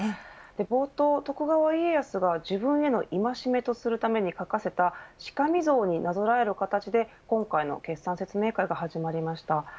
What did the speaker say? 冒頭、徳川家康が自分への戒めとするために描かせたしかみ像になぞらえる形で今回の決算説明会が始まりました。